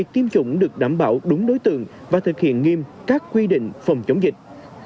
tiêm chủng được đảm bảo đúng đối tượng và thực hiện nghiêm các quy định phòng chống dịch